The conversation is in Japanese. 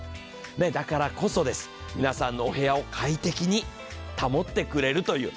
だからこそです、皆さんのお部屋を快適に保ってくれるという。